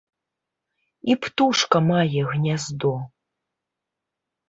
І птушка мае гняздо.